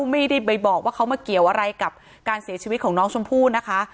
ไม่ได้ไปบอกว่าเขามาเกี่ยวอะไรกับการเสียชีวิตของน้องชมพู่นะคะ